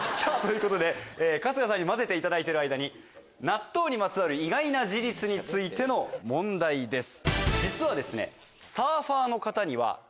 さぁ春日さんに混ぜていただいてる間に納豆にまつわる意外な事実についての問題です。